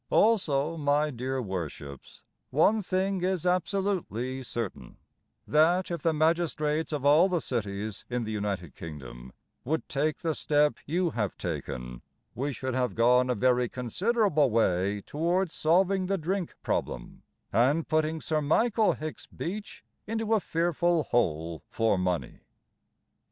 Also, my dear Worships, One thing is absolutely certain, That, if the magistrates of all the cities In the United Kingdom Would take the step you have taken, We should have gone a very considerable way Towards solving the drink problem, And putting Sir Michael Hicks Beach Into a fearful hole for money.